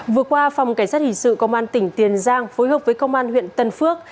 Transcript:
vừa qua phòng cảnh sát hình sự công an tỉnh tiền giang phối hợp với công an huyện tân phước